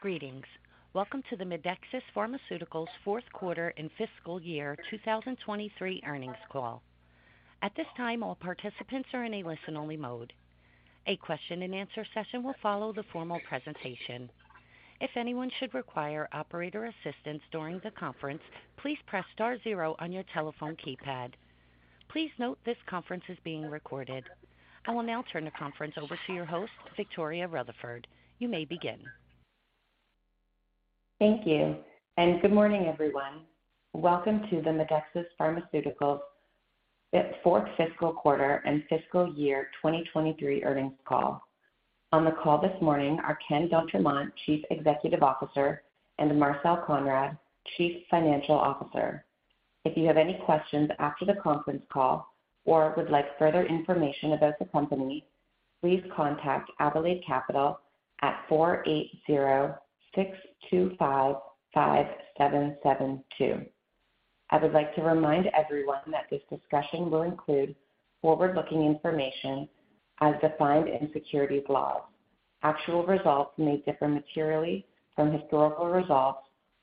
Greetings. Welcome to the Medexus Pharmaceuticals fourth quarter and fiscal year 2023 earnings call. At this time, all participants are in a listen-only mode. A question-and-answer session will follow the formal presentation. If anyone should require operator assistance during the conference, please press star zero on your telephone keypad. Please note, this conference is being recorded. I will now turn the conference over to your host, Victoria Rutherford. You may begin. Thank you. Good morning, everyone. Welcome to the Medexus Pharmaceuticals fourth fiscal quarter and fiscal year 2023 earnings call. On the call this morning are Ken d'Entremont, Chief Executive Officer, and Marcel Konrad, Chief Financial Officer. If you have any questions after the conference call or would like further information about the company, please contact Adelaide Capital at 480-625-5772. I would like to remind everyone that this discussion will include forward-looking information as defined in securities laws. Actual results may differ materially from historical results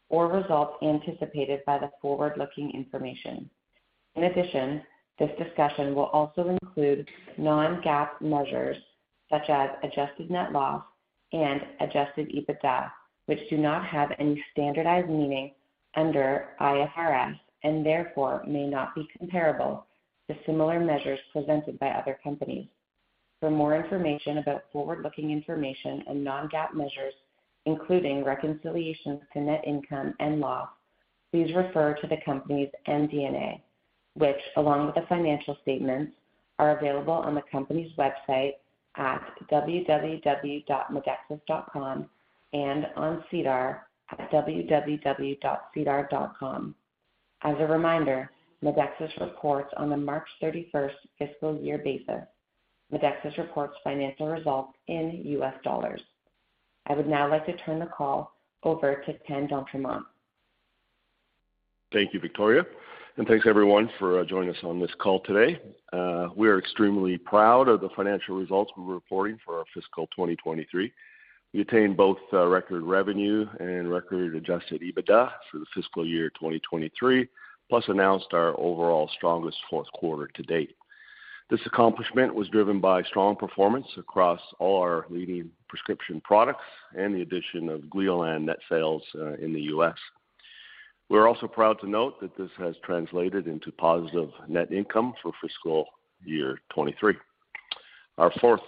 or results anticipated by the forward-looking information. This discussion will also include non-GAAP measures such as adjusted net loss and adjusted EBITDA, which do not have any standardized meaning under IFRS and therefore may not be comparable to similar measures presented by other companies. For more information about forward-looking information and non-GAAP measures, including reconciliations to net income and loss, please refer to the company's MD&A, which, along with the financial statements, are available on the company's website at www.medexus.com and on SEDAR at www.sedar.com. As a reminder, Medexus reports on the March 31st fiscal year basis. Medexus reports financial results in US dollars. I would now like to turn the call over to Ken d'Entremont. Thank you, Victoria, thanks everyone for joining us on this call today. We are extremely proud of the financial results we're reporting for our fiscal 2023. We attained both record revenue and record adjusted EBITDA for the fiscal year 2023, plus announced our overall strongest fourth quarter to date. This accomplishment was driven by strong performance across all our leading prescription products and the addition of Gleolan net sales in the U.S. We're also proud to note that this has translated into positive net income for fiscal year 2023. Our fourth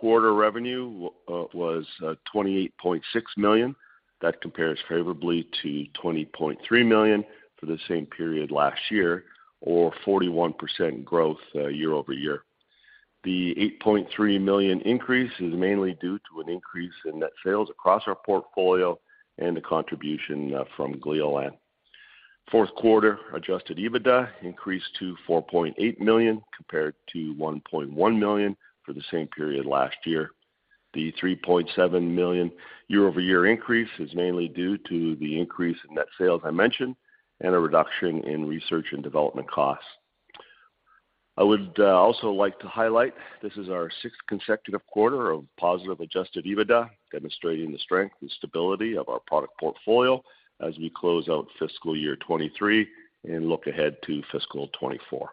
quarter revenue was $28.6 million. That compares favorably to $20.3 million for the same period last year, or 41% growth year-over-year. The $8.3 million increase is mainly due to an increase in net sales across our portfolio and the contribution from Gleolan. Fourth quarter adjusted EBITDA increased to $4.8 million, compared to $1.1 million for the same period last year. The $3.7 million year-over-year increase is mainly due to the increase in net sales I mentioned and a reduction in research and development costs. I would also like to highlight this is our sixth consecutive quarter of positive adjusted EBITDA, demonstrating the strength and stability of our product portfolio as we close out fiscal year 2023 and look ahead to fiscal 2024.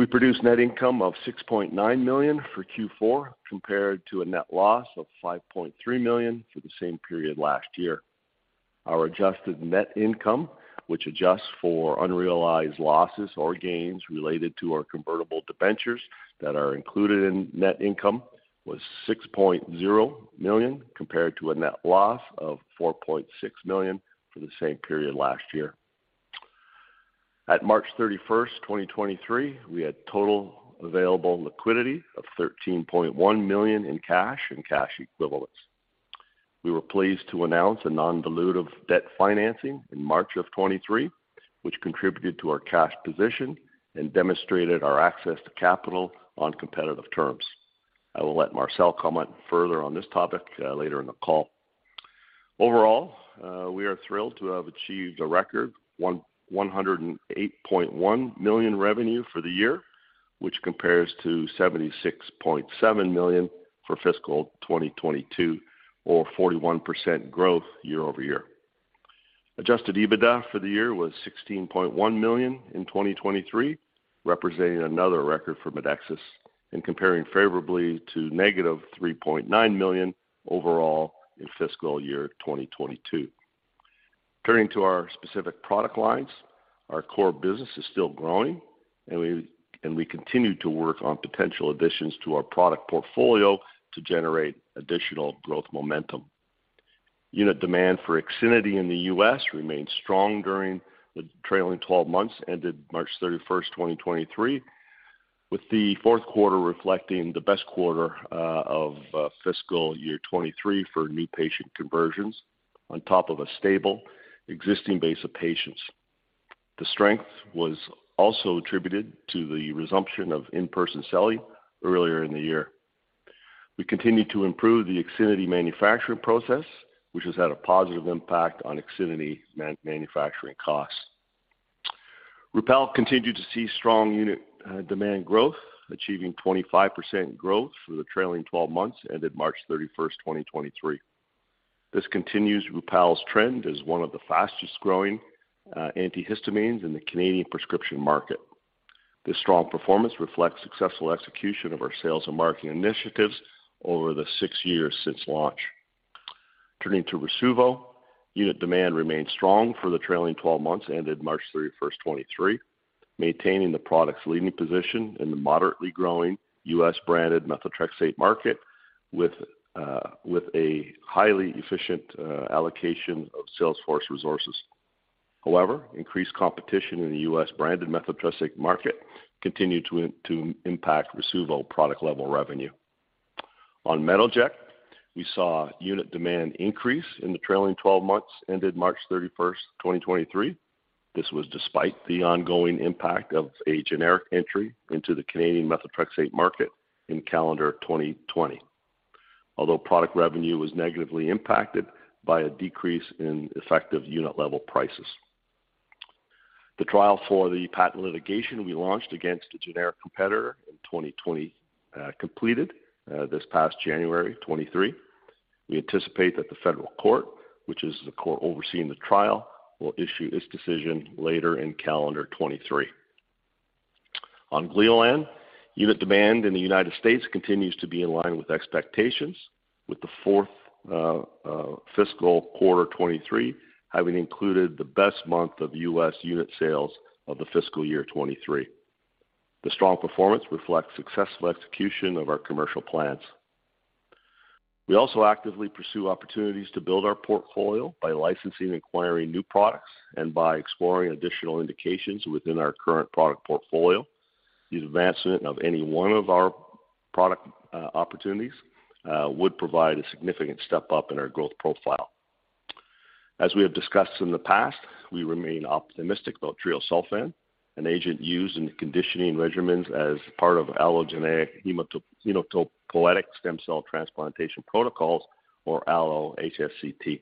We produced net income of $6.9 million for Q4, compared to a net loss of $5.3 million for the same period last year. Our adjusted net income, which adjusts for unrealized losses or gains related to our convertible debentures that are included in net income, was $6.0 million, compared to a net loss of $4.6 million for the same period last year. At March 31, 2023, we had total available liquidity of $13.1 million in cash and cash equivalents. We were pleased to announce a non-dilutive debt financing in March of 2023, which contributed to our cash position and demonstrated our access to capital on competitive terms. I will let Marcel comment further on this topic later in the call. Overall, we are thrilled to have achieved a record $108.1 million revenue for the year, which compares to $76.7 million for fiscal 2022, or 41% growth year-over-year. Adjusted EBITDA for the year was $16.1 million in 2023, representing another record for Medexus and comparing favorably to -$3.9 million overall in fiscal year 2022. Turning to our specific product lines, our core business is still growing and we continue to work on potential additions to our product portfolio to generate additional growth momentum. Unit demand for IXINITY in the US remained strong during the trailing 12 months, ended March 31st, 2023, with the fourth quarter reflecting the best quarter of fiscal year 2023 for new patient conversions on top of a stable existing base of patients. The strength was also attributed to the resumption of in-person selling earlier in the year. We continued to improve the IXINITY manufacturing process, which has had a positive impact on IXINITY manufacturing costs. Rupall continued to see strong unit demand growth, achieving 25% growth for the trailing 12 months, ended March 31, 2023. This continues Rupall's trend as one of the fastest-growing antihistamines in the Canadian prescription market. This strong performance reflects successful execution of our sales and marketing initiatives over the 6 years since launch. Turning to Rasuvo, unit demand remained strong for the trailing 12 months, ended March 31, 2023, maintaining the product's leading position in the moderately growing US branded methotrexate market with a highly efficient allocation of sales force resources. However, increased competition in the US branded methotrexate market continued to impact Rasuvo product level revenue. On Metoject, we saw unit demand increase in the trailing 12 months, ended March 31, 2023. This was despite the ongoing impact of a generic entry into the Canadian methotrexate market in calendar 2020. Although product revenue was negatively impacted by a decrease in effective unit level prices. The trial for the patent litigation we launched against a generic competitor in 2020, completed this past January 2023. We anticipate that the federal court, which is the court overseeing the trial, will issue this decision later in calendar 2023. On Gleolan, unit demand in the United States continues to be in line with expectations, with the fourth fiscal quarter 2023, having included the best month of US unit sales of the fiscal year 2023. The strong performance reflects successful execution of our commercial plans. We also actively pursue opportunities to build our portfolio by licensing and acquiring new products and by exploring additional indications within our current product portfolio. The advancement of any one of our product opportunities would provide a significant step up in our growth profile. As we have discussed in the past, we remain optimistic about treosulfan, an agent used in the conditioning regimens as part of allogeneic hematopoietic stem cell transplantation protocols, or allo-HSCT.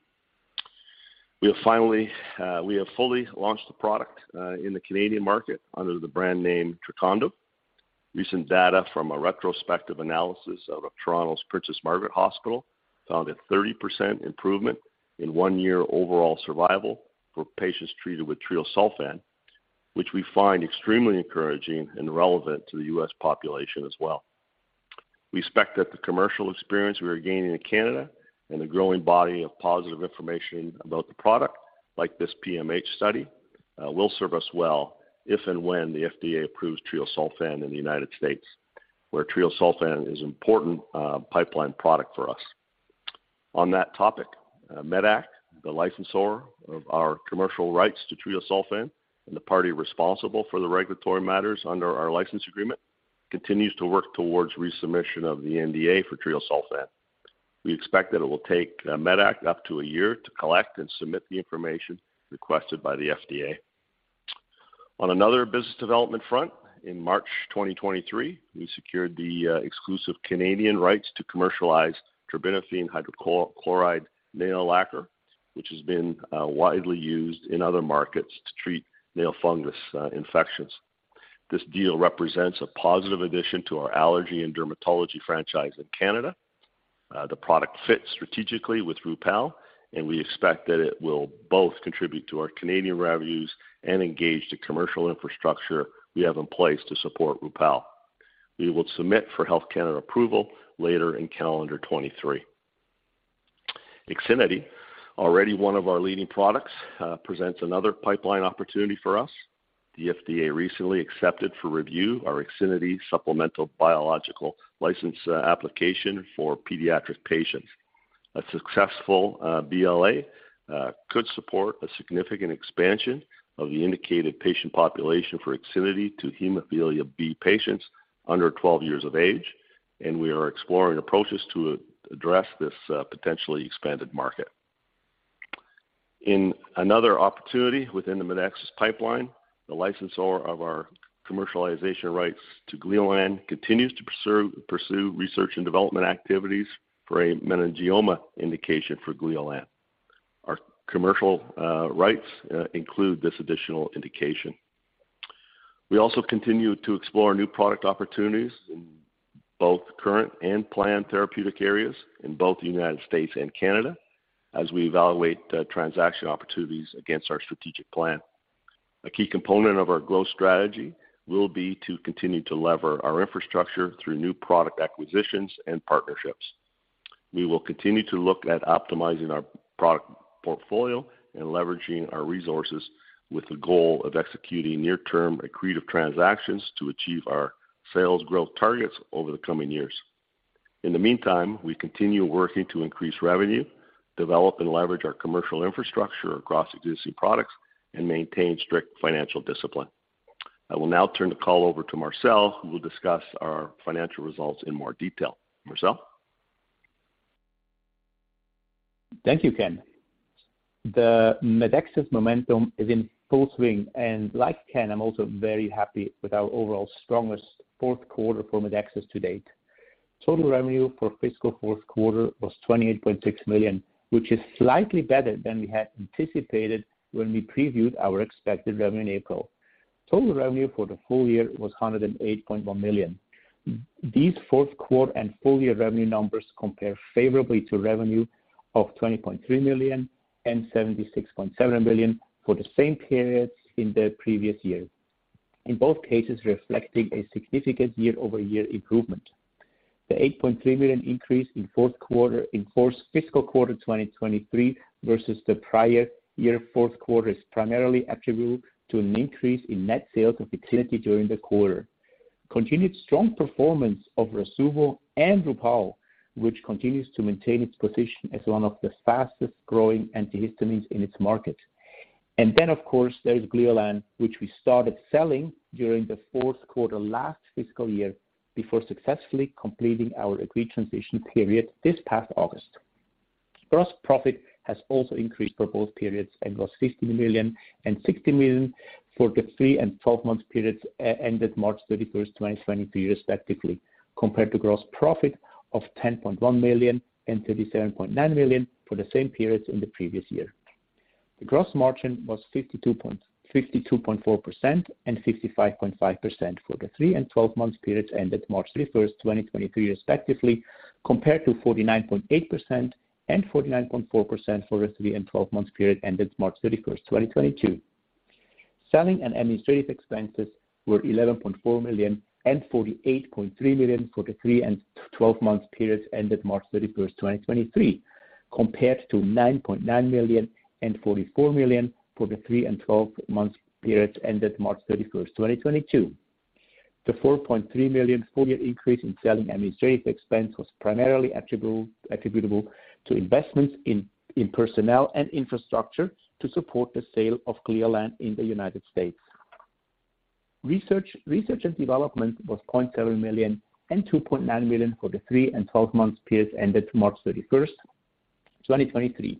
We have fully launched the product in the Canadian market under the brand name Trecondyv. Recent data from a retrospective analysis out of Toronto's Princess Margaret Cancer Centre, found a 30% improvement in one year overall survival for patients treated with treosulfan, which we find extremely encouraging and relevant to the U.S. population as well. We expect that the commercial experience we are gaining in Canada and the growing body of positive information about the product, like this PMH study, will serve us well if and when the FDA approves treosulfan in the United States, where treosulfan is important pipeline product for us. On that topic, Medac, the licensor of our commercial rights to treosulfan and the party responsible for the regulatory matters under our license agreement, continues to work towards resubmission of the NDA for treosulfan. We expect that it will take medac up to a year to collect and submit the information requested by the FDA. Another business development front, in March 2023, we secured the exclusive Canadian rights to commercialize terbinafine hydrochloride nail lacquer, which has been widely used in other markets to treat nail fungus infections. This deal represents a positive addition to our allergy and dermatology franchise in Canada. The product fits strategically with Rupall, and we expect that it will both contribute to our Canadian revenues and engage the commercial infrastructure we have in place to support Rupall. We will submit for Health Canada approval later in calendar 2023. IXINITY, already one of our leading products, presents another pipeline opportunity for us. The FDA recently accepted for review our IXINITY supplemental Biologics License application for pediatric patients. A successful BLA could support a significant expansion of the indicated patient population for IXINITY to hemophilia B patients under 12 years of age, and we are exploring approaches to address this potentially expanded market. In another opportunity within the Medexus pipeline, the licensor of our commercialization rights to Gleolan continues to pursue research and development activities for a meningioma indication for Gleolan. Our commercial rights include this additional indication. We also continue to explore new product opportunities in both current and planned therapeutic areas in both the United States and Canada, as we evaluate transaction opportunities against our strategic plan. A key component of our growth strategy will be to continue to lever our infrastructure through new product acquisitions and partnerships. We will continue to look at optimizing our product portfolio and leveraging our resources with the goal of executing near-term accretive transactions to achieve our sales growth targets over the coming years. In the meantime, we continue working to increase revenue, develop and leverage our commercial infrastructure across existing products, and maintain strict financial discipline. I will now turn the call over to Marcel, who will discuss our financial results in more detail. Marcel? Thank you, Ken. The Medexus momentum is in full swing, like Ken, I'm also very happy with our overall strongest fourth quarter for Medexus to date. Total revenue for fiscal fourth quarter was $28.6 million, which is slightly better than we had anticipated when we previewed our expected revenue in April. Total revenue for the full year was $108.1 million. These fourth quarter and full year revenue numbers compare favorably to revenue of $20.3 million and $76.7 million for the same periods in the previous year. In both cases, reflecting a significant year-over-year improvement. The $8.3 million increase in fourth quarter, in fourth fiscal quarter, 2023 versus the prior year fourth quarter, is primarily attributed to an increase in net sales of IXINITY during the quarter. Continued strong performance of Rasuvo and Rupall, which continues to maintain its position as one of the fastest-growing antihistamines in its market. Then, of course, there is Gleolan, which we started selling during the fourth quarter last fiscal year, before successfully completing our agreed transition period this past August. Gross profit has also increased for both periods and was $60 million and $60 million for the 3 and 12-month periods ended March 31, 2023, respectively, compared to gross profit of $10.1 million and $37.9 million for the same periods in the previous year. The gross margin was 52.4% and 55.5% for the 3 and 12-month periods ended March 31, 2023, respectively, compared to 49.8% and 49.4% for the 3 and 12-month period ended March 31, 2022. Selling and administrative expenses were $11.4 million and $48.3 million for the three and twelve-month periods ended March 31, 2023, compared to $9.9 million and $44 million for the three and twelve-month periods ended March 31, 2022. The $4.3 million full year increase in selling administrative expense was primarily attributable to investments in personnel and infrastructure to support the sale of Gleolan in the United States. Research and development was $0.7 million and $2.9 million for the three and twelve-month periods ended March 31, 2023.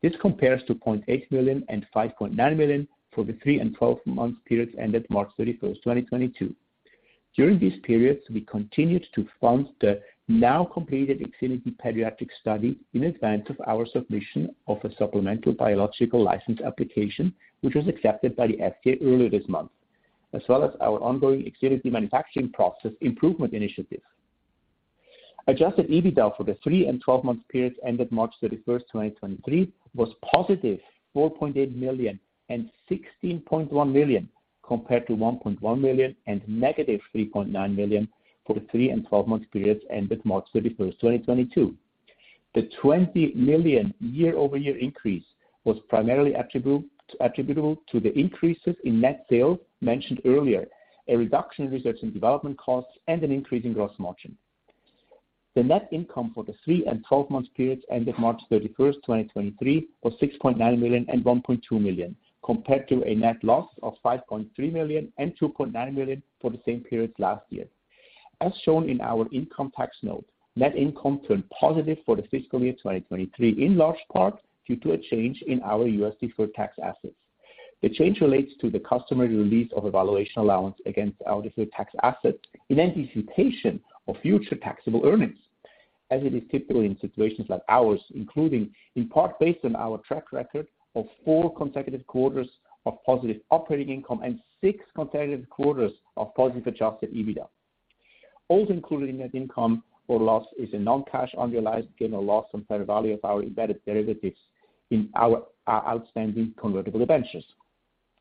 This compares to $0.8 million and $5.9 million for the three and twelve-month periods ended March 31, 2022. During these periods, we continued to fund the now completed IXINITY pediatric study in advance of our submission of a supplemental Biologics License Application, which was accepted by the FDA earlier this month, as well as our ongoing IXINITY manufacturing process improvement initiative. Adjusted EBITDA for the 3 and 12-month periods ended March 31, 2023, was positive $4.8 million and $16.1 million, compared to $1.1 million and negative $3.9 million for the 3 and 12-month periods ended March 31, 2022. The $20 million year-over-year increase was primarily attributable to the increases in net sales mentioned earlier, a reduction in research and development costs, and an increase in gross margin. The net income for the three and 12-month periods ended March 31, 2023, was $6.9 million and $1.2 million, compared to a net loss of $5.3 million and $2.9 million for the same period last year. As shown in our income tax note, net income turned positive for the fiscal year 2023, in large part due to a change in our USD deferred tax assets. The change relates to the customer release of a valuation allowance against our deferred tax asset in anticipation of future taxable earnings, as it is typically in situations like ours, including, in part, based on our track record of four consecutive quarters of positive operating income and six consecutive quarters of positive adjusted EBITDA. Also included in net income or loss is a non-cash unrealized gain or loss on fair value of our embedded derivatives in our outstanding convertible debentures,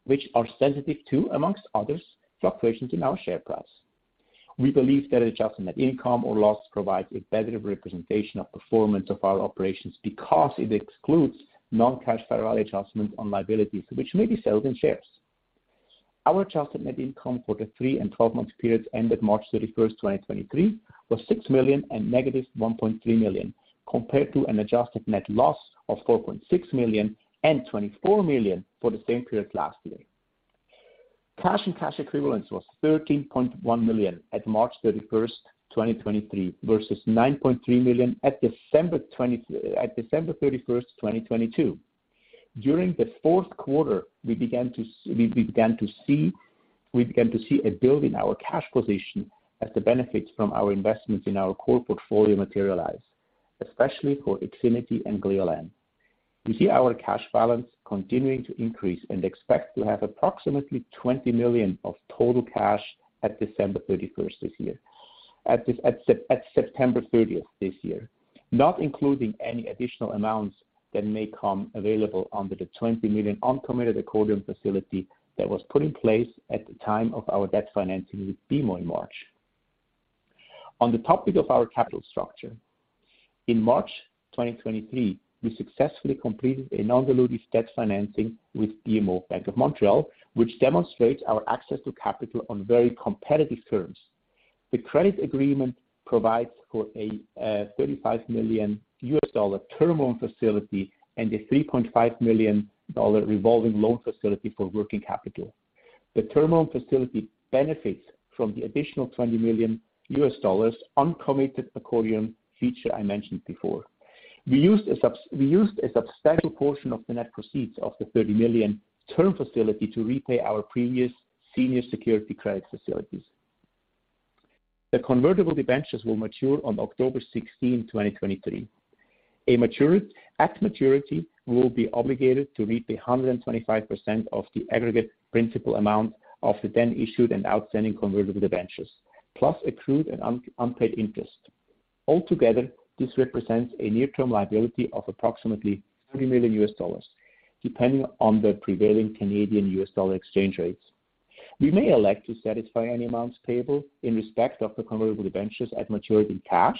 which are sensitive to, among others, fluctuations in our share price. We believe that adjusting net income or loss provides a better representation of performance of our operations because it excludes non-cash fair value adjustments on liabilities, which may be sales and shares. Our adjusted net income for the three and twelve-month periods ended March 31, 2023, was $6 million and -$1.3 million, compared to an adjusted net loss of $4.6 million and $24 million for the same period last year. Cash and cash equivalents was $13.1 million at March 31, 2023, versus $9.3 million at December 31, 2022. During the fourth quarter, we began to see a build in our cash position as the benefits from our investments in our core portfolio materialize, especially for IXINITY and Gleolan. We see our cash balance continuing to increase and expect to have approximately $20 million of total cash at September 30th this year, not including any additional amounts that may come available under the $20 million uncommitted accordion facility that was put in place at the time of our debt financing with BMO in March. On the topic of our capital structure, in March 2023, we successfully completed an undiluted debt financing with BMO, Bank of Montreal, which demonstrates our access to capital on very competitive terms. The credit agreement provides for a $35 million term loan facility and a $3.5 million revolving loan facility for working capital. The term loan facility benefits from the additional $20 million uncommitted accordion feature I mentioned before. We used a substantial portion of the net proceeds of the $30 million term facility to repay our previous senior security credit facilities. The convertible debentures will mature on October 16, 2023. At maturity, we will be obligated to meet the 125% of the aggregate principal amount of the then issued and outstanding convertible debentures, plus accrued and unpaid interest. Altogether, this represents a near-term liability of approximately $30 million, depending on the prevailing Canadian, U.S. dollar exchange rates. We may elect to satisfy any amounts payable in respect of the convertible debentures at maturity in cash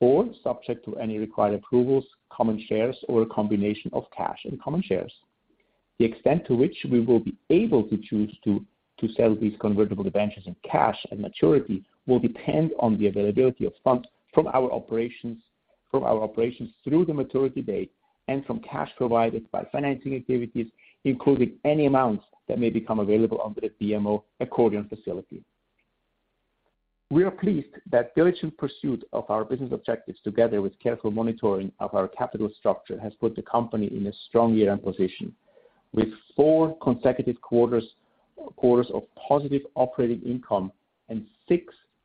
or subject to any required approvals, common shares, or a combination of cash and common shares. The extent to which we will be able to choose to sell these convertible debentures in cash and maturity will depend on the availability of funds from our operations through the maturity date and from cash provided by financing activities, including any amounts that may become available under the BMO accordion facility. We are pleased that diligent pursuit of our business objectives, together with careful monitoring of our capital structure, has put the company in a strong year-end position, with 4 consecutive quarters of positive operating income and 6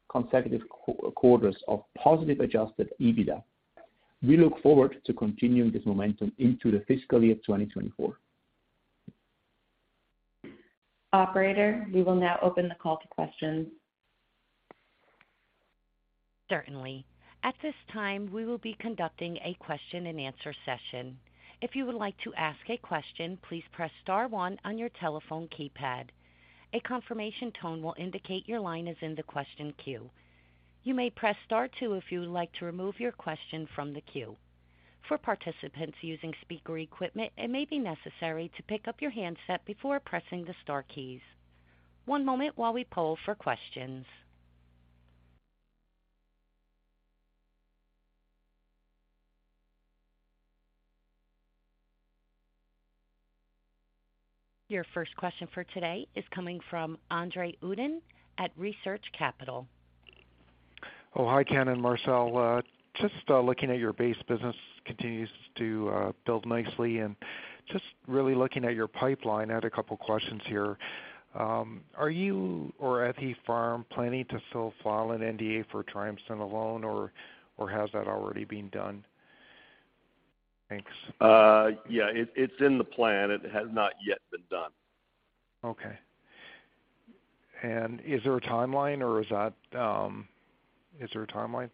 consecutive quarters of positive adjusted EBITDA. We look forward to continuing this momentum into the fiscal year 2024. Operator, we will now open the call to questions. Certainly. At this time, we will be conducting a question-and-answer session. If you would like to ask a question, please press star 1 on your telephone keypad. A confirmation tone will indicate your line is in the question queue. You may press Star 2 if you would like to remove your question from the queue. For participants using speaker equipment, it may be necessary to pick up your handset before pressing the star keys. 1 moment while we poll for questions. Your first question for today is coming from Andre Uddin at Research Capital. Hi, Ken and Marcel. Just looking at your base business continues to build nicely and just really looking at your pipeline, I had a couple questions here. Are you or at the firm planning to file an NDA for treosulfan, or has that already been done? Thanks. Yeah, it's in the plan. It has not yet been done. Okay. Is there a timeline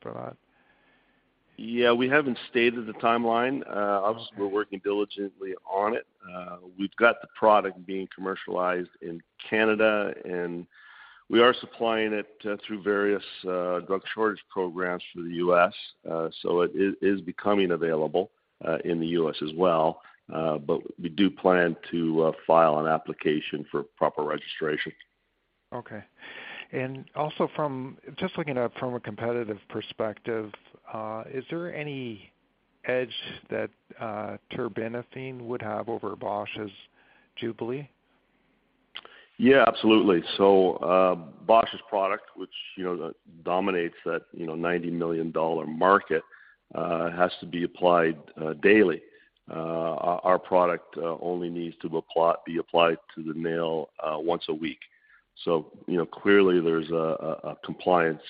for that? We haven't stated the timeline. Obviously, we're working diligently on it. We've got the product being commercialized in Canada, and we are supplying it through various drug shortage programs through the U.S., it is becoming available in the U.S. as well. We do plan to file an application for proper registration. Okay. Also from just looking at from a competitive perspective, is there any edge that, terbinafine would have over Bausch's Jublia? absolutely. Antares's product, which, you know, dominates that, you know, $90 million market, has to be applied daily. Our product only needs to apply, be applied to the nail once a week. you know, clearly there's a compliance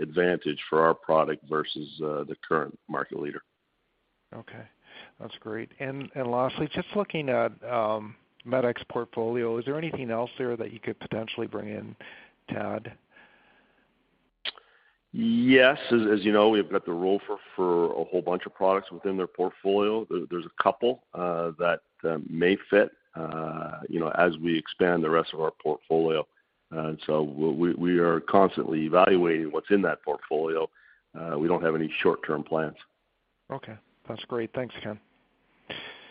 advantage for our product versus the current market leader. Okay, that's great. Lastly, just looking at Medexus portfolio, is there anything else there that you could potentially bring in, Tanya? Yes. As you know, we've got the role for a whole bunch of products within their portfolio. There's a couple that may fit, you know, as we expand the rest of our portfolio. We are constantly evaluating what's in that portfolio. We don't have any short-term plans. Okay, that's great. Thanks, Ken.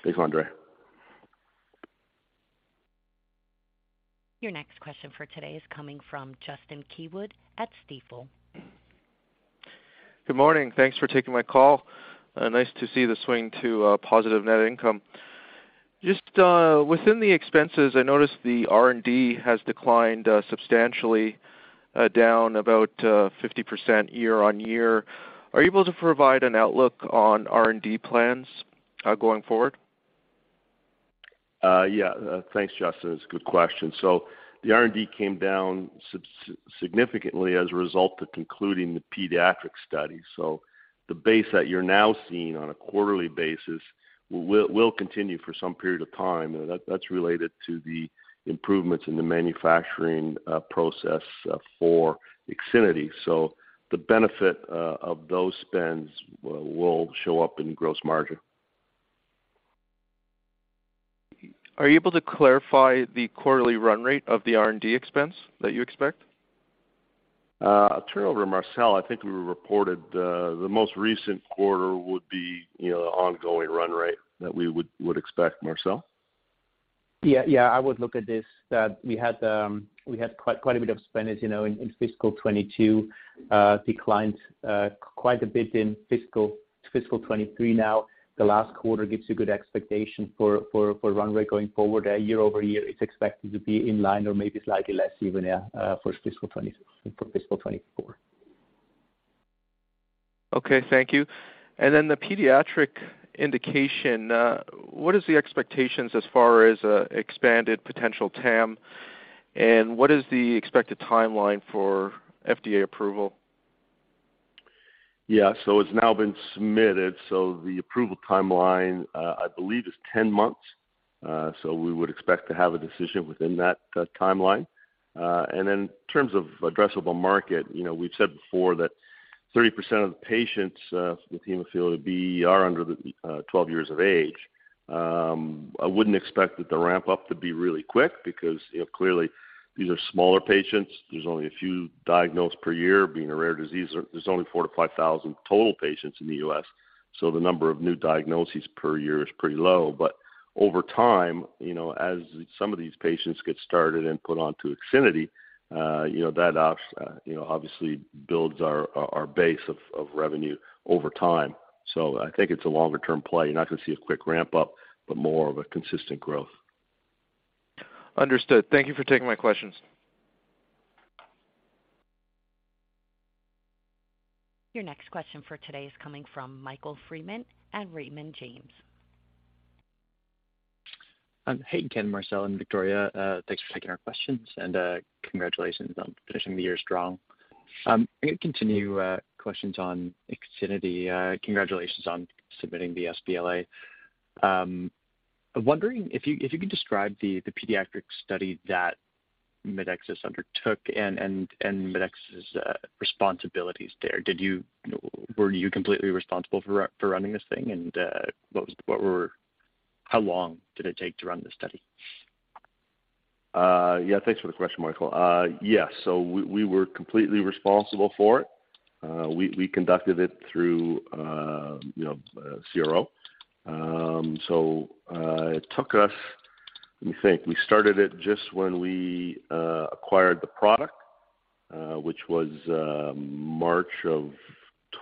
Thanks, Andre. Your next question for today is coming from Justin Keywood at Stifel. Good morning. Thanks for taking my call. nice to see the swing to positive net income. Just within the expenses, I noticed the R&D has declined substantially, down about 50% year-over-year. Are you able to provide an outlook on R&D plans going forward? Yeah. Thanks, Justin. It's a good question. The R&D came down significantly as a result of concluding the pediatric study. The base that you're now seeing on a quarterly basis will continue for some period of time, and that's related to the improvements in the manufacturing process for IXINITY. The benefit of those spends will show up in gross margin. Are you able to clarify the quarterly run rate of the R&D expense that you expect? I'll turn it over to Marcel. I think we reported, the most recent quarter would be, you know, the ongoing run rate that we would expect. Marcel? Yeah, I would look at this, that we had, we had quite a bit of spend, as you know, in fiscal 2022. Declined quite a bit in fiscal 2023. The last quarter gives you good expectation for run rate going forward. Year-over-year, it's expected to be in line or maybe slightly less even for fiscal 2024. Okay, thank you. The pediatric indication, what is the expectations as far as expanded potential TAM, and what is the expected timeline for FDA approval? It's now been submitted. The approval timeline, I believe, is 10 months. We would expect to have a decision within that timeline. In terms of addressable market, you know, we've said before that 30% of the patients with hemophilia B are under the 12 years of age. I wouldn't expect that the ramp-up to be really quick because, you know, clearly these are smaller patients. There's only a few diagnosed per year, being a rare disease. There's only 4,000-5,000 total patients in the U.S., the number of new diagnoses per year is pretty low. Over time, you know, as some of these patients get started and put onto IXINITY, you know, that obviously builds our base of revenue over time. I think it's a longer-term play. You're not gonna see a quick ramp-up, but more of a consistent growth. Understood. Thank you for taking my questions. Your next question for today is coming from Michael Freeman at Raymond James. Hey, Ken, Marcel, and Victoria. Thanks for taking our questions, and congratulations on finishing the year strong. I'm gonna continue questions on IXINITY. Congratulations on submitting the sBLA. I'm wondering if you could describe the pediatric study that Medexus undertook and Medexus's responsibilities there. Were you completely responsible for running this thing? How long did it take to run this study? Yeah, thanks for the question, Michael. We were completely responsible for it. We conducted it through, you know, a CRO. It took us... Let me think. We started it just when we acquired the product, which was March of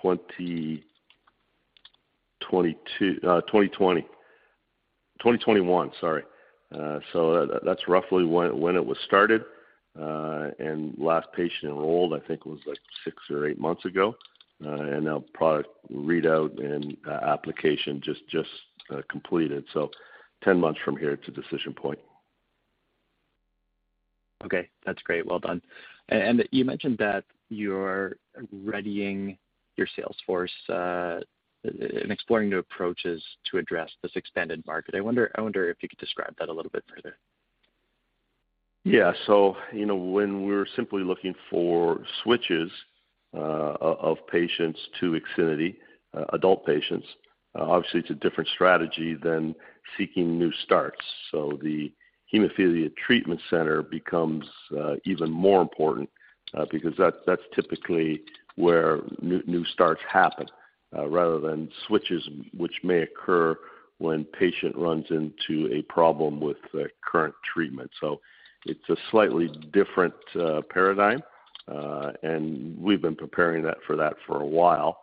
2022, 2020. 2021, sorry. That's roughly when it was started, and last patient enrolled, I think, was, like, 6 or 8 months ago. Now product readout and application just completed, so 10 months from here to decision point. Okay. That's great. Well done. You mentioned that you're readying your sales force and exploring new approaches to address this expanded market. I wonder if you could describe that a little bit further. Yeah. You know, when we were simply looking for switches of patients to IXINITY, adult patients, obviously it's a different strategy than seeking new starts. The hemophilia treatment center becomes even more important because that's typically where new starts happen, rather than switches, which may occur when patient runs into a problem with the current treatment. It's a slightly different paradigm, and we've been preparing for that for a while.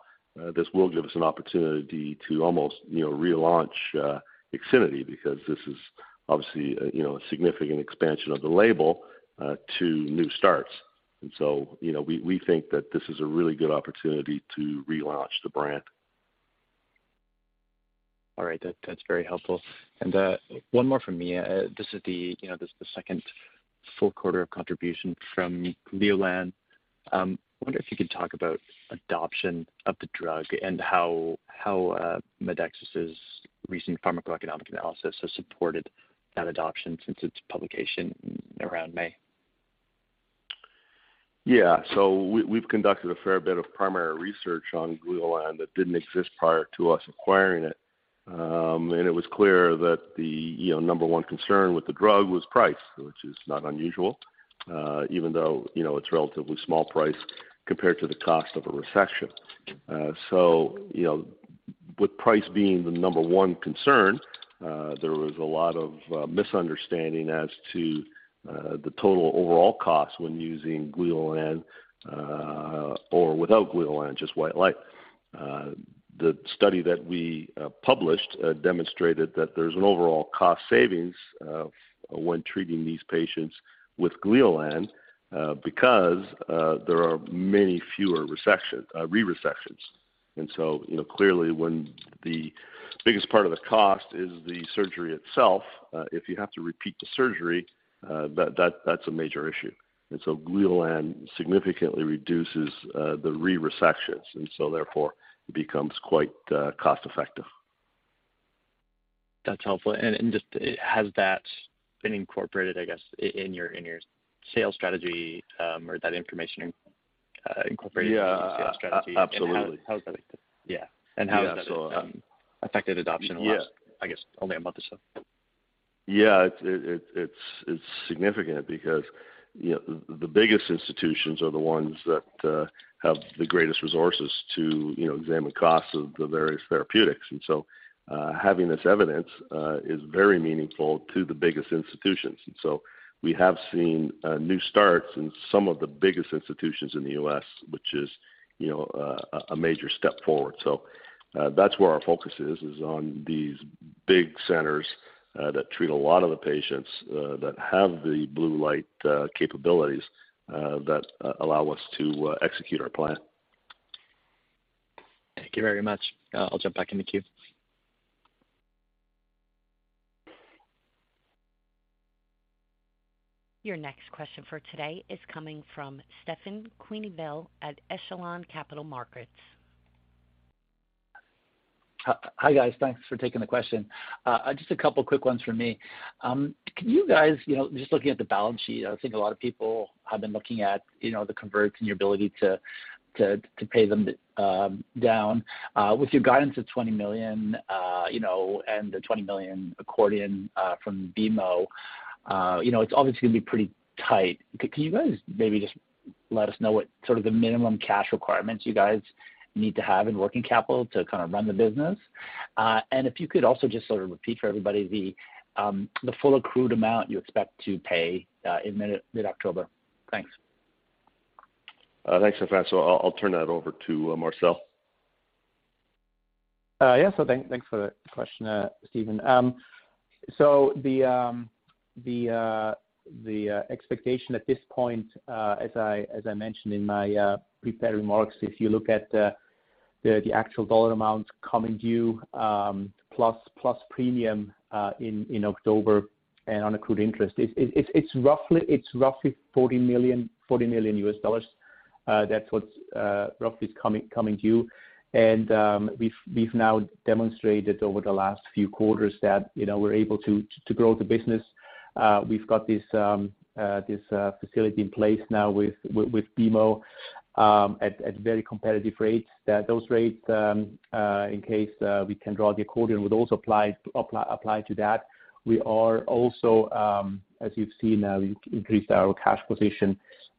This will give us an opportunity to almost, you know, relaunch IXINITY because this is obviously, you know, a significant expansion of the label to new starts. You know, we think that this is a really good opportunity to relaunch the brand. All right. That's very helpful. One more from me. This is the, you know, this is the second full quarter of contribution from Gleolan. I wonder if you could talk about adoption of the drug and how Medexus's recent pharmacoeconomic analysis has supported that adoption since its publication around May. We've conducted a fair bit of primary research on Gleolan that didn't exist prior to us acquiring it. It was clear that the, you know, number one concern with the drug was price, which is not unusual, even though, you know, it's a relatively small price compared to the cost of a resection. You know, with price being the number one concern, there was a lot of misunderstanding as to the total overall cost when using Gleolan or without Gleolan, just white light. The study that we published demonstrated that there's an overall cost savings when treating these patients with Gleolan because there are many fewer resections, re-resections. You know, clearly, when the biggest part of the cost is the surgery itself, if you have to repeat the surgery, that's a major issue. Gleolan significantly reduces the re-resections, and so therefore it becomes quite cost-effective. That's helpful. Just, has that been incorporated, I guess, in your, in your sales strategy, or that information, incorporated... Yeah- in the sales strategy? A-a-absolutely. How has that... Yeah. Yeah. How has that affected adoption? Yeah in the last, I guess, only a month or so? It's significant because, you know, the biggest institutions are the ones that have the greatest resources to, you know, examine costs of the various therapeutics. So, having this evidence is very meaningful to the biggest institutions. So we have seen new starts in some of the biggest institutions in the U.S., which is, you know, a major step forward. That's where our focus is on these big centers that treat a lot of the patients that have the blue light capabilities that allow us to execute our plan. Thank you very much. I'll jump back in the queue. Your next question for today is coming from Stefan Quenneville at Echelon Capital Markets. Hi, guys. Thanks for taking the question. Just a couple quick ones from me. Can you guys, you know, just looking at the balance sheet, I think a lot of people have been looking at, you know, the converts and your ability to pay them down. With your guidance of $20 million, you know, and the $20 million accordion from BMO, you know, it's obviously gonna be pretty tight. Can you guys maybe just let us know what sort of the minimum cash requirements you guys need to have in working capital to kind of run the business? If you could also just sort of repeat for everybody the full accrued amount you expect to pay in mid-October. Thanks. Thanks, Stefan. I'll turn that over to Marcel. Yeah, thanks for the question, Steven. The expectation at this point, as I mentioned in my prepared remarks, if you look at the actual dollar amount coming due, plus premium in October and on accrued interest, it's roughly $40 million U.S. dollars. That's what's roughly coming due. We've now demonstrated over the last few quarters that, you know, we're able to grow the business. We've got this facility in place now with BMO at very competitive rates. Those rates, in case we can draw the accordion, would also apply to that. We are also, as you've seen, we increased our cash position,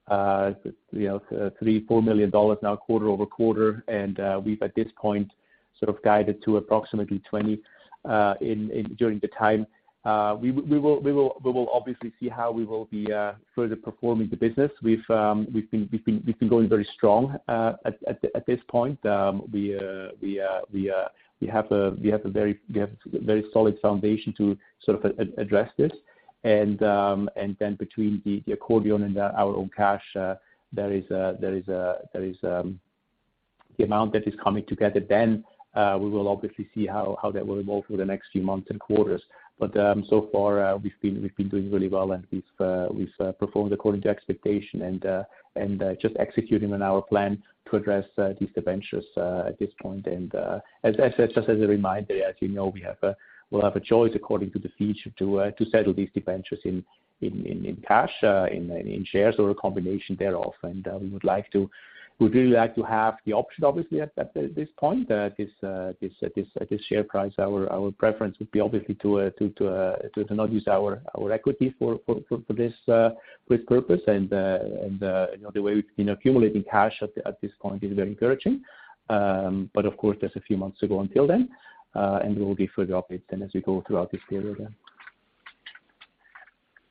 you know, $3 million-$4 million now quarter-over-quarter, and we've at this point, sort of guided to approximately $20 million during the time. We will obviously see how we will be further performing the business. We've been going very strong, at this point. We have a very solid foundation to sort of address this. Between the accordion and our own cash, there is a amount that is coming together. We will obviously see how that will evolve over the next few months and quarters. So far, we've been doing really well, and we've performed according to expectation and just executing on our plan to address these debentures at this point. As a reminder, as you know, we'll have a choice according to the feature to settle these debentures in cash, in shares or a combination thereof. We'd really like to have the option, obviously, at this point, at this share price. Our preference would be obviously to not use our equity for this purpose. You know, the way we've been accumulating cash at this point is very encouraging. Of course, there's a few months to go until then, and we will give further updates then as we go throughout this period then.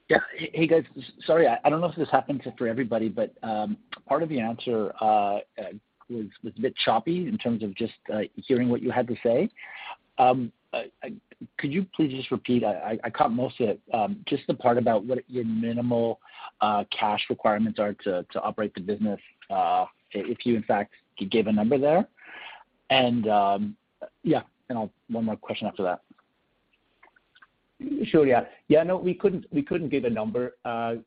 Yeah. Hey, guys. Sorry, I don't know if this happened for everybody, but part of the answer was a bit choppy in terms of just hearing what you had to say. Could you please just repeat, I caught most of it, just the part about what your minimal cash requirements are to operate the business, if you, in fact, could give a number there? Yeah, and one more question after that. Sure, yeah. Yeah, no, we couldn't give a number. Sure.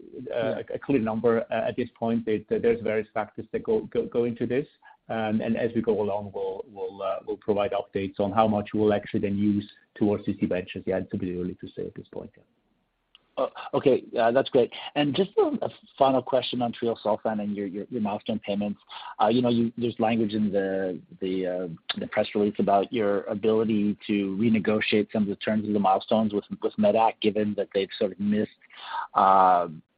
a clear number at this point. There's various factors that go into this. As we go along, we'll provide updates on how much we'll actually then use towards these debentures. Yeah, it's a bit early to say at this point. Okay. That's great. Just a final question on Treosulfan and your milestone payments. You know, there's language in the press release about your ability to renegotiate some of the terms of the milestones with medac, given that they've sort of missed,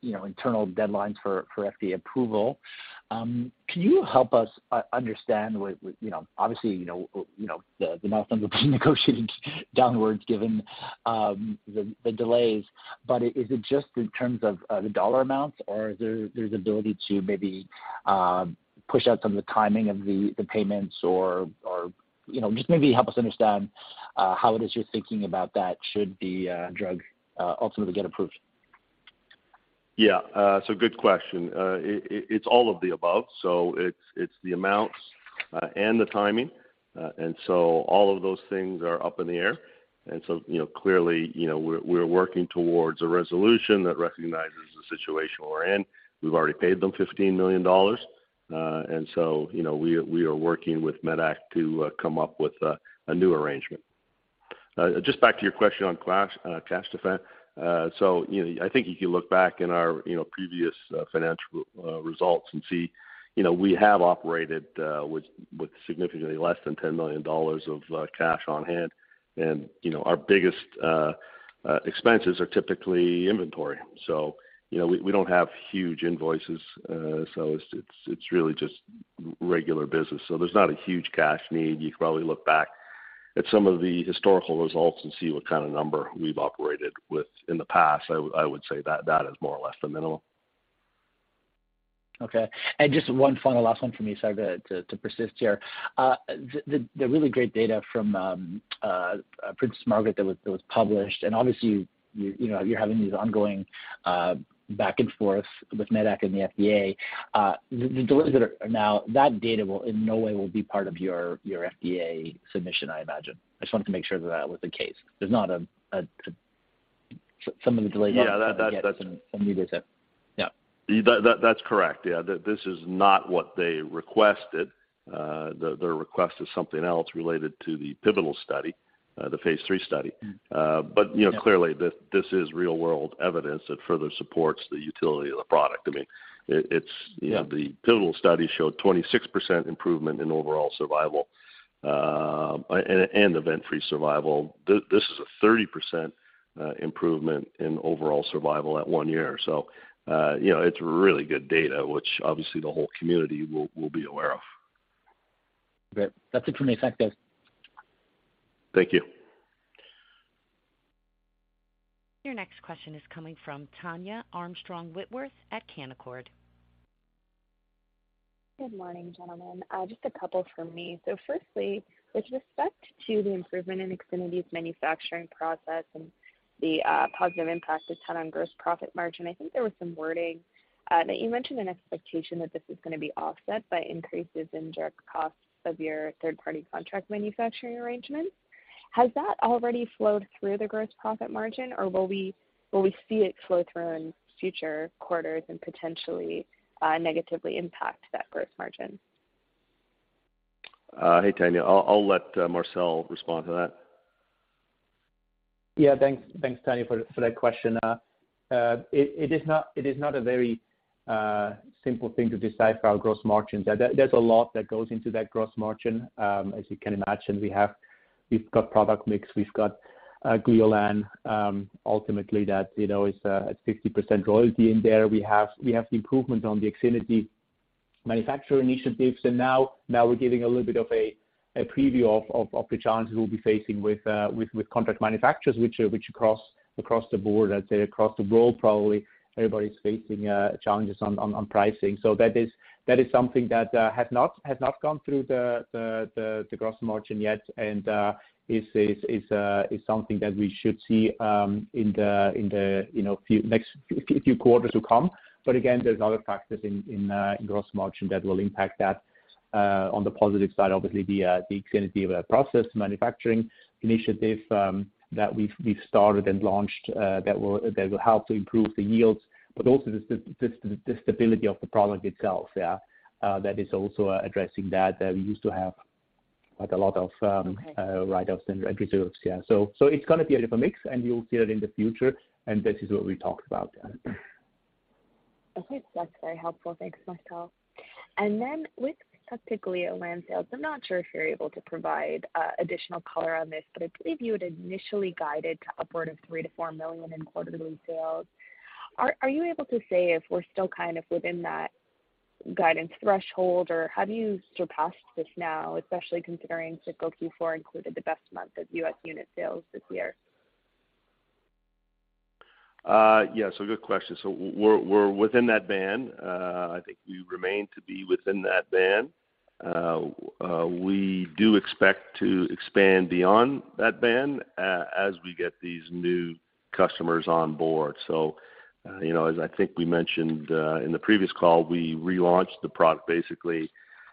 internal deadlines for FDA approval. Can you help us understand what, you know, obviously, you know, the milestones will be negotiated downwards given the delays, but is it just in terms of the dollar amounts, or there's ability to maybe push out some of the timing of the payments or? You know, just maybe help us understand how it is you're thinking about that should the drug ultimately get approved? Yeah, good question. It's all of the above. It's the amounts and the timing. All of those things are up in the air. You know, we're working towards a resolution that recognizes the situation we're in. We've already paid them $15 million. You know, we are working with medac to come up with a new arrangement. Just back to your question on cash defense. You know, I think if you look back in our, you know, previous financial results and see, you know, we have operated with significantly less than $10 million of cash on hand. You know, our biggest expenses are typically inventory. you know, we don't have huge invoices, so it's really just regular business. There's not a huge cash need. You can probably look back at some of the historical results and see what kind of number we've operated with in the past. I would say that is more or less the minimum. Okay. Just one final last one for me. Sorry to persist here. The really great data from Princess Margaret Cancer Centre that was published, and obviously, you know, you're having these ongoing back and forth with medac and the FDA. The delays that are now, that data will in no way will be part of your FDA submission, I imagine? I just wanted to make sure that that was the case. There's not some of the delays- Yeah, that's. Yeah. That's correct. Yeah. This is not what they requested. Their request is something else related to the pivotal study, the phase three study. Mm-hmm. you know- Yeah... clearly, this is real-world evidence that further supports the utility of the product. I mean, it's, you know, the pivotal study showed 26% improvement in overall survival and event-free survival. This is a 30% improvement in overall survival at one year. You know, it's really good data, which obviously the whole community will be aware of. Great. That's it for me. Thanks, guys. Thank you. Your next question is coming from Tania Armstrong-Whitworth at Canaccord. Good morning, gentlemen. Just a couple from me. Firstly, with respect to the improvement in IXINITY's manufacturing process and the positive impact it's had on gross profit margin, I think there was some wording that you mentioned an expectation that this is gonna be offset by increases in direct costs of your third-party contract manufacturing arrangement. Has that already flowed through the gross profit margin, or will we see it flow through in future quarters and potentially negatively impact that gross margin? Hey, Tanya. I'll let Marcel respond to that. Yeah, thanks. Thanks, Tania, for that question. It is not a very simple thing to decipher our gross margins. There's a lot that goes into that gross margin. As you can imagine, we've got product mix, we've got Gleolan, ultimately, that, you know, is a 50% royalty in there. We have the improvement on the IXINITY manufacturing initiatives, and now we're giving a little bit of a preview of the challenges we'll be facing with contract manufacturers, which across the board, I'd say across the world, probably everybody's facing challenges on pricing. That is something that has not gone through the gross margin yet, and is something that we should see in the, you know, next few quarters to come. Again, there's other factors in gross margin that will impact that. On the positive side, obviously, the IXINITY of our process manufacturing initiative that we've started and launched that will help to improve the yields, but also the stability of the product itself. Yeah. That is also addressing that we used to have, like, a lot of. Okay... write-offs and reserves. Yeah. It's gonna be a different mix, and you'll see that in the future, and this is what we talked about. Okay. That's very helpful. Thanks, Marcel. Then with respect to Gleolan sales, I'm not sure if you're able to provide additional color on this, but I believe you had initially guided to upward of $3 million-$4 million in quarterly sales. Are you able to say if we're still kind of within that guidance threshold, or have you surpassed this now, especially considering Q4 included the best month of US unit sales this year? Good question. We're, we're within that band. I think we remain to be within that band. We do expect to expand beyond that band as we get these new customers on board. You know, as I think we mentioned in the previous call, we relaunched the product basically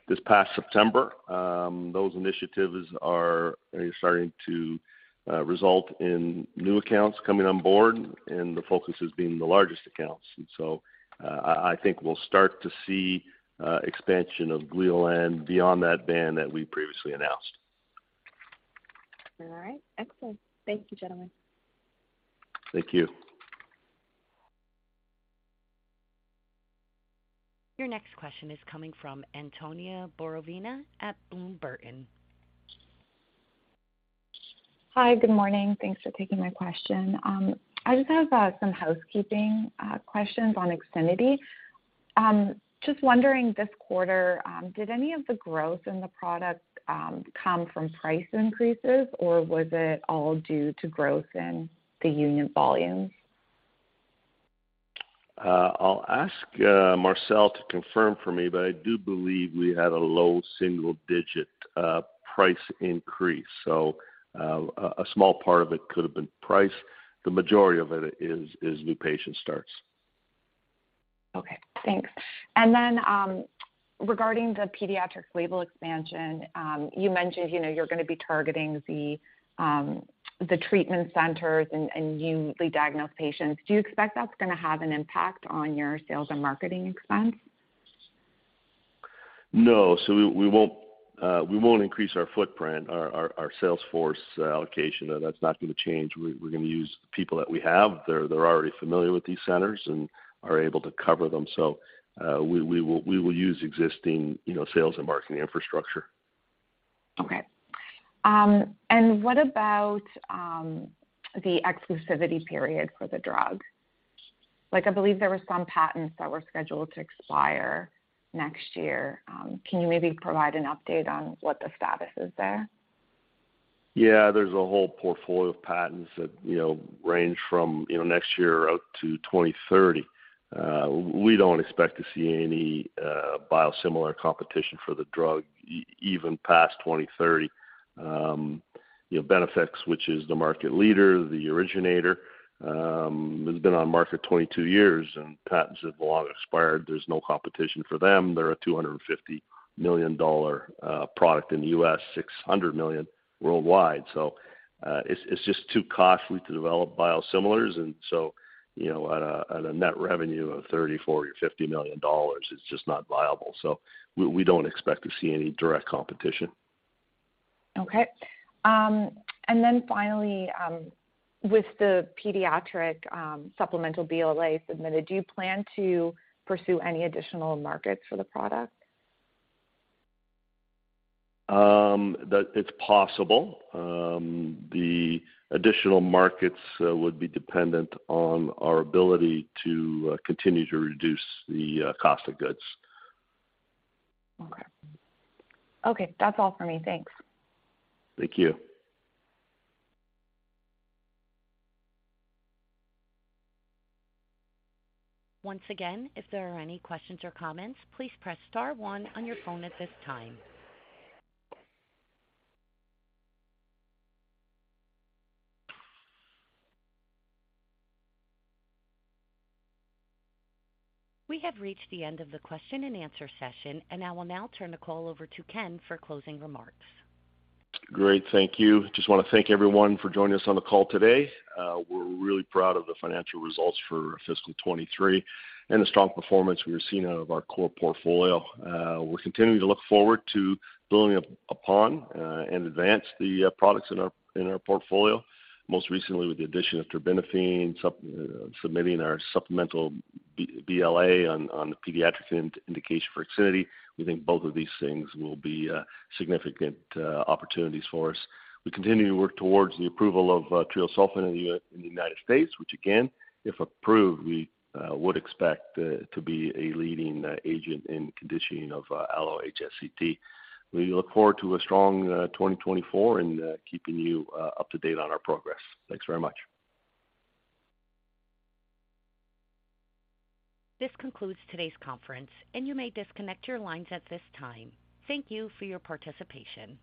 this past September. Those initiatives are starting to result in new accounts coming on board, and the focus is being the largest accounts. I think we'll start to see expansion of Gleolan beyond that band that we previously announced. All right. Excellent. Thank you, gentlemen. Thank you. Your next question is coming from Antonia Borovina at Bloom Burton. Hi, good morning. Thanks for taking my question. I just have some housekeeping questions on IXINITY. Just wondering, this quarter, did any of the growth in the product come from price increases, or was it all due to growth in the unit volumes? I'll ask Marcel to confirm for me, but I do believe we had a low single-digit price increase. A small part of it could have been price. The majority of it is new patient starts. Okay, thanks. Regarding the pediatric label expansion, you mentioned, you know, you're gonna be targeting the treatment centers and newly diagnosed patients. Do you expect that's gonna have an impact on your sales and marketing expense? No. We won't increase our footprint, our sales force allocation. That's not going to change. We're going to use the people that we have. They're already familiar with these centers and are able to cover them. We will use existing, you know, sales and marketing infrastructure. Okay. What about the exclusivity period for the drug? Like, I believe there were some patents that were scheduled to expire next year. Can you maybe provide an update on what the status is there? Yeah, there's a whole portfolio of patents that, you know, range from, you know, next year out to 2030. We don't expect to see any biosimilar competition for the drug even past 2030. You know, BeneFIX, which is the market leader, the originator, has been on market 22 years, and patents have long expired. There's no competition for them. They're a $250 million product in the US, $600 million worldwide. It's, it's just too costly to develop biosimilars. You know, at a, at a net revenue of $30 million, $40 million, $50 million, it's just not viable. We don't expect to see any direct competition. Okay. Finally, with the pediatric supplemental BLA submitted, do you plan to pursue any additional markets for the product? That it's possible. The additional markets, would be dependent on our ability to continue to reduce the cost of goods. Okay. Okay, that's all for me. Thanks. Thank you. Once again, if there are any questions or comments, please press star one on your phone at this time. We have reached the end of the question and answer session, and I will now turn the call over to Ken for closing remarks. Great. Thank you. Just wanna thank everyone for joining us on the call today. We're really proud of the financial results for fiscal 2023 and the strong performance we are seeing out of our core portfolio. We're continuing to look forward to building up upon and advance the products in our portfolio, most recently with the addition of terbinafine, submitting our supplemental BLA on the pediatric indication for IXINITY. We think both of these things will be significant opportunities for us. We continue to work towards the approval of treosulfan in the United States, which again, if approved, we would expect to be a leading agent in conditioning of Allo-HSCT. We look forward to a strong 2024 and keeping you up to date on our progress. Thanks very much. This concludes today's conference, and you may disconnect your lines at this time. Thank you for your participation.